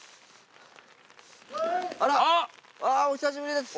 あぁお久しぶりです。